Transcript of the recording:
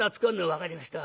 「分かりました